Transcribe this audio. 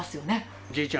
おじいちゃん